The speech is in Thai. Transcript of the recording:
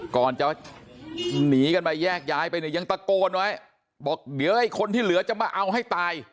ก่อนจะหนีกันไปแยกย้ายไปเนี่ยยังตะโกนไว้บอกเดี๋ยวไอ้คนที่เหลือจะมาเอาให้ตาย